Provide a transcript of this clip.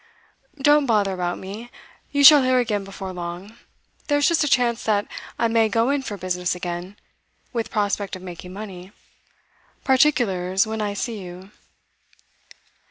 'Don't bother about me. You shall hear again before long. There's just a chance that I may go in for business again, with prospect of making money. Particulars when I see you.